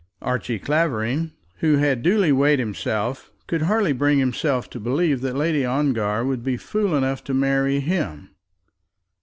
Archie Clavering, who had duly weighed himself, could hardly bring himself to believe that Lady Ongar would be fool enough to marry him!